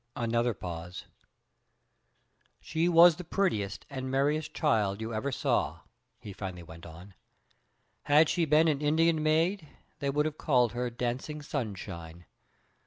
Another pause. "She was the prettiest and merriest child you ever saw," he finally went on. "Had she been an Indian maid they would have called her 'Dancing Sunshine.'